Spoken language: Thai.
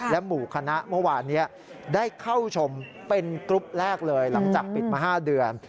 หมู่คณะเมื่อวานนี้ได้เข้าชมเป็นกรุ๊ปแรกเลยหลังจากปิดมา๕เดือน